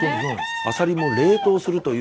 アサリも冷凍するという。